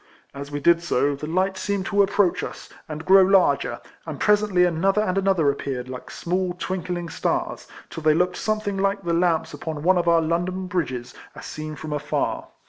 As we did so, the light seemed to approach us, and grow larger, and presently another and another appeared, like small twinkling stars, till they looked something like the lamps upon one of our London bridges, as seen from afar.